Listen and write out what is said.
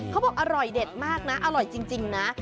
เขาบอกอร่อยเด็ดมากนะอร่อยจริงนะ